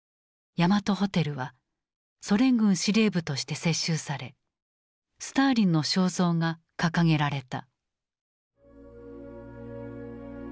ヤマトホテルはソ連軍司令部として接収されスターリンの肖像が掲げられた。